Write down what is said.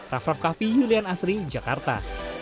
raff raff kaffi julian asri jakarta